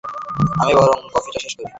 আমি বরং কফিটা শেষ করি।